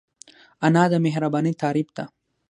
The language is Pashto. انا د مهربانۍ تعریف ده